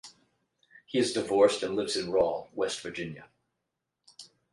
He is divorced and lives in Rawl, West Virginia.